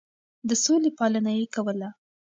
د سولې پالنه يې کوله.